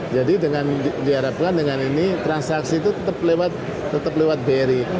jadi dengan diharapkan dengan ini transaksi itu tetap lewat bri